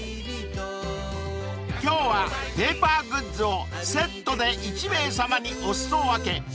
［今日はペーパーグッズをセットで１名様にお裾分け］